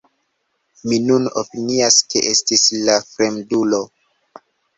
Mi nun opinias ke estis la fremdulo.